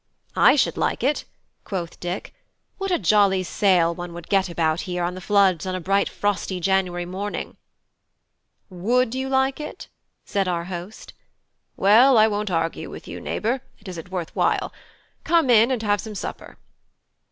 "I should like it," quoth Dick. "What a jolly sail one would get about here on the floods on a bright frosty January morning!" "Would you like it?" said our host. "Well, I won't argue with you, neighbour; it isn't worth while. Come in and have some supper."